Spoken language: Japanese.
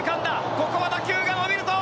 ここは打球が伸びるぞ！